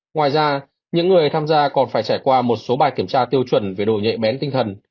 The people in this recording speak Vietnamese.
ngoài ra những người tham gia còn phải trải qua một số bài kiểm tra tiêu chuẩn về đồ nhạy bén tinh thần